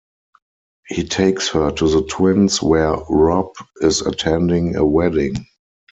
He takes her to the Twins, where Robb is attending a wedding.